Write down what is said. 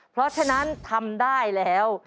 เพราะฉะนั้นทำได้แล้ว